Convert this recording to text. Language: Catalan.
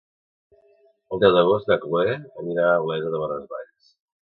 El deu d'agost na Chloé anirà a Olesa de Bonesvalls.